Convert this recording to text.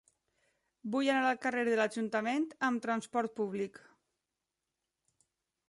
Vull anar al carrer de l'Ajuntament amb trasport públic.